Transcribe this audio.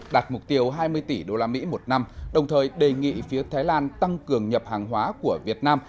đạt mục tiêu hai mươi tỷ usd một năm đồng thời đề nghị phía thái lan tăng cường nhập hàng hóa của việt nam